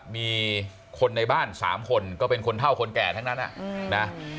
มีคนในบ้าน๓คนก็เป็นคนเท่าคนแก่ทั้งนั้นนะ